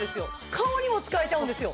顔にも使えちゃうんですよ